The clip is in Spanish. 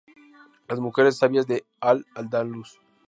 Las mujeres sabias de Al-Ándalus.